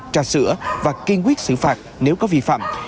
trà sữa và kiên quyết xử phạt nếu có vi phạm